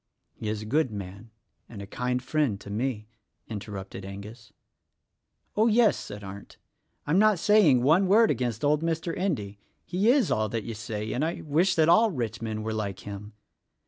"He is a good man, and a kind friend to me," inter rupted Angus. "Oh, yes!" said Arndt,'Tm not saying one word against old Mr. Endy; he is all that you say, and I wish that all rich men were like him.